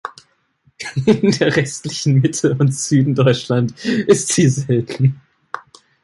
In der restlichen Mitte und Süden Deutschlands ist sie selten.